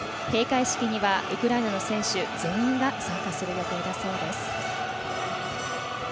閉会式にはウクライナの選手全員が参加する予定だそうです。